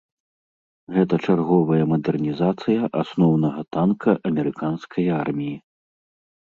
Гэта чарговая мадэрнізацыя асноўнага танка амерыканскай арміі.